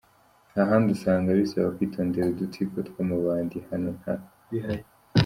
Ahandi usanga bisaba kwitondera udutsiko tw’amabandi, hano nta bihari.